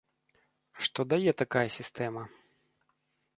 Што дае такая сістэма?